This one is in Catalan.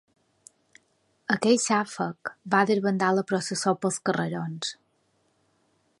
Aquell xàfec va desbandar la processó pels carrerons.